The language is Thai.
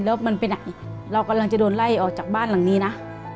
แล้วมันไปไหนเรากำลังจะโดนไล่ออกจากบ้านหลังนี้นะ